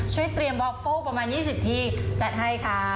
ช่วยเตรียมวอฟเฟิลประมาณ๒๐ที่จัดให้ค่ะ